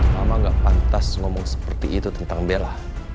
mama gak pantas ngomong seperti itu tentang bella